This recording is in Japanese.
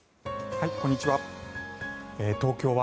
こんにちは。